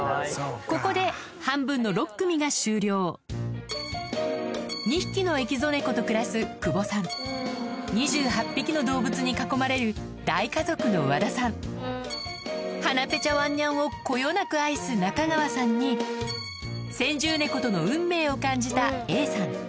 ここで半分の２匹のエキゾ猫と暮らす久保さん２８匹の動物に囲まれる大家族の和田さん鼻ぺちゃワンニャンをこよなく愛す仲川さんに先住猫との運命を感じたＡさん